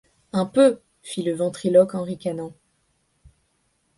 Un peu ! fit le ventriloque en ricanant.